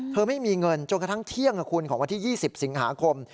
ไม่มีเงินจนกระทั่งเที่ยงคุณของวันที่๒๐สิงหาคม